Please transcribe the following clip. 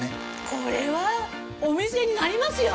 これはお店になりますよ！